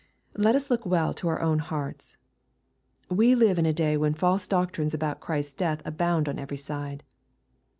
Let us look well to our own hearts. We live in a day when false doctrines about Christ's death abound on every side.